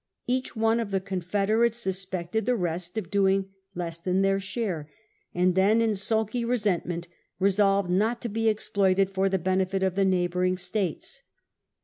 Each one of the confederates suspected the rest of doing less than their share, and then, in sulky resentment, resolved not to be exploited for the benefit of the neighbouring states.